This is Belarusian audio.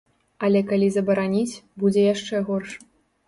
Але калі забараніць, будзе яшчэ горш.